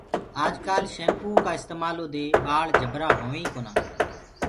آج ڪآل شيمپوآ ڪآ استمالو دي ٻآݪ جبرآ هويِنٚ ئي ڪونآ۔